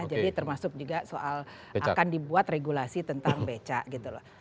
jadi termasuk juga soal akan dibuat regulasi tentang becak gitu loh